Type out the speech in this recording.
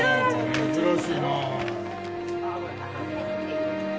珍しいな。